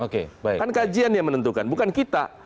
kan kajian yang menentukan bukan kita